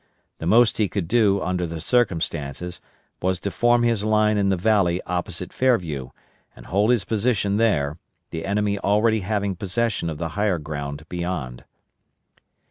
The most he could do, under the circumstances, was to form his line in the valley opposite Fairview, and hold his position there, the enemy already having possession of the higher ground beyond.